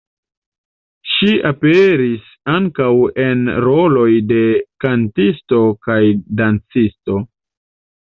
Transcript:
Ŝi aperis ankaŭ en roloj de kantisto kaj dancisto.